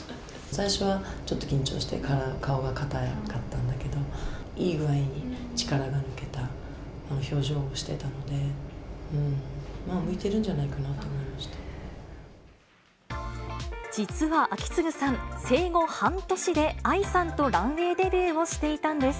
最初は、ちょっと緊張して、顔が硬かったんだけど、いい具合に力が抜けた表情をしてたので、まあ、向いてるんじゃな実は章胤さん、生後半年で愛さんとランウェイデビューをしていたんです。